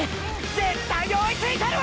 絶対に追いついたるわ！！